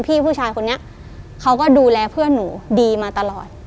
พี่ผู้ชายคนนี้เขาก็ดูแลเพื่อนหนูดีมาตลอด